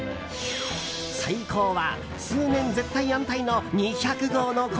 最高は、数年絶対安泰の２００合の米。